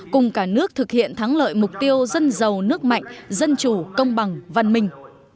cùng cả nước thực hiện thắng lợi mục tiêu dân giàu nước mạnh dân chủ công bằng văn minh